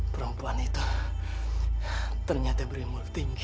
perempuan itu ternyata berimur tinggi